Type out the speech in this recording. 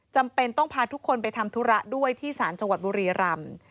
จำเป็นต้องพาทุกคนไปทำธุระด้วยที่ศาลจังหวัดบุรีรำ